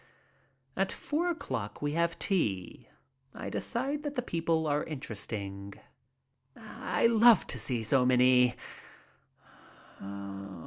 At four o'clock we have tea. I decide that the people are interesting. I love to meet so many.